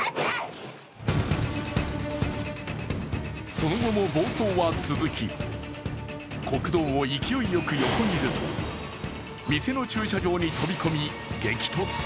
その後も暴走は続き、国道を勢いよく横切ると、店の駐車場に飛び込み激突。